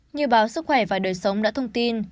như báo sức khỏe và đời sống đã thông tin